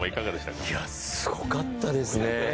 すごかったですね。